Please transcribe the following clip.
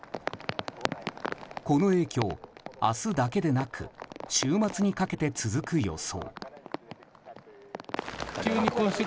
この影響、明日だけでなく週末にかけて続く予想。